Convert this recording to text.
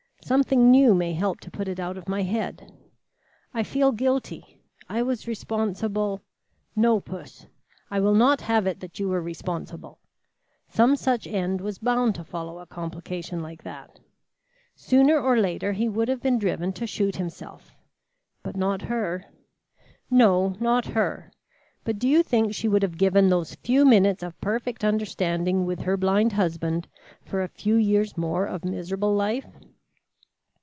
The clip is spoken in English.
Something new may help to put it out of my head. I feel guilty. I was responsible " "No, Puss. I will not have it that you were responsible. Some such end was bound to follow a complication like that. Sooner or later he would have been driven to shoot himself " "But not her." "No, not her. But do you think she would have given those few minutes of perfect understanding with her blind husband for a few years more of miserable life?"